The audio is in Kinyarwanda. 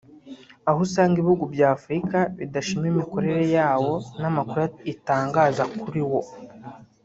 aho usanga ibihugu bya Afurika bidashima imikorere yawo n’amakuru itangaza kuri wo